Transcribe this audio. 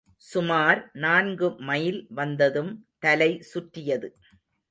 சுமார் நான்கு மைல் வந்ததும் தலை சுற்றியது.